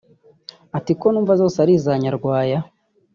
ati “Ko numva zose ari iza Nyarwaya